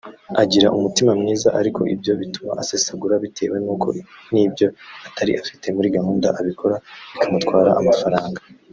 Agira umutima mwiza ariko ibyo bituma asesagura bitewe n’uko nibyo atari afite muri gahunda abikora bikamutwara amafaranga